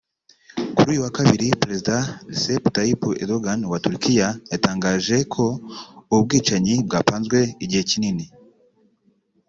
Kuri uyu wa Kabiri Perezida Recep Tayyip Erdoğan wa Turikiya yatangaje ko ubu bwicanyi bwapanzwe igihe kinini